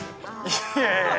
いやいやいやいや。